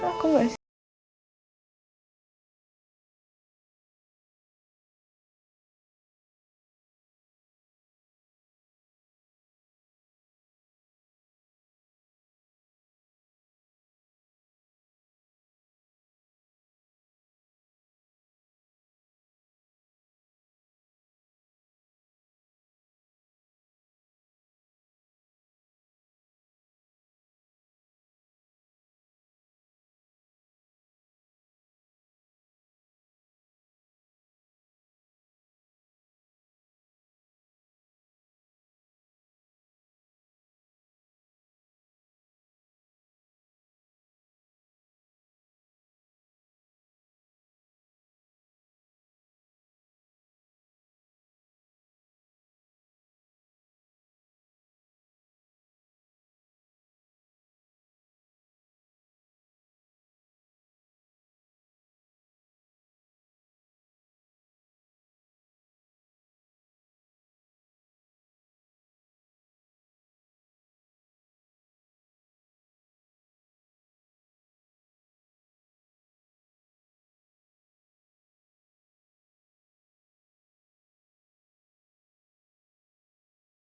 ya kamu masuk dulu ya